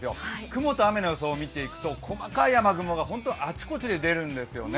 雲と雨の予想を見ていくと細かい雨雲が本当あちこちで出るんです。